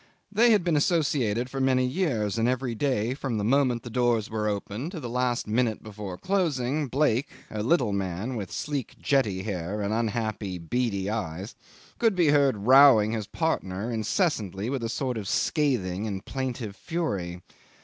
They had been associated for many years, and every day from the moment the doors were opened to the last minute before closing, Blake, a little man with sleek, jetty hair and unhappy, beady eyes, could be heard rowing his partner incessantly with a sort of scathing and plaintive fury.